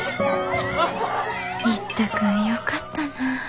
一太君よかったなぁ。